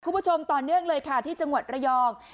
คุณผู้ชมต่อเนื่องเลยค่ะที่จังหวัดระยอง